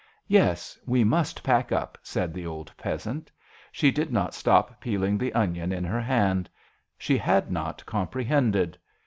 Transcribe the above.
" Yes, we must pack up," said the old peasant; she did not stop peeling the onion in her hand she had not compre hended.